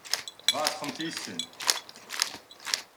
Bɣiɣ ad txedmeḍ yid-sen.